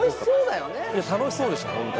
楽しそうでした本当。